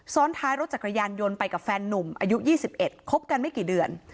ท้ายรถจักรยานยนต์ไปกับแฟนนุ่มอายุ๒๑คบกันไม่กี่เดือน